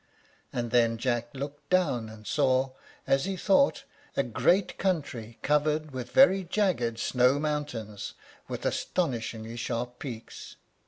And then Jack looked down and saw, as he thought, a great country, covered with very jagged snow mountains with astonishingly sharp peaks.